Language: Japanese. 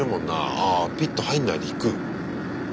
ああピット入んないで行く。